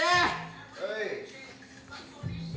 はい！